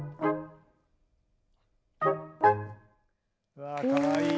うわかわいい。